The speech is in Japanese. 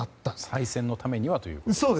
再選のためにはということですね。